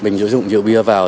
mình sử dụng rượu bia vào